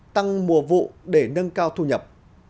tăng mùa vụ để nâng cao thu nhập